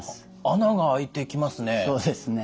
穴が開いていきますね。